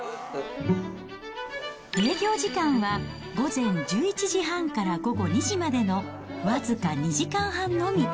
営業時間は午前１１時半から午後２時までの僅か２時間半のみ。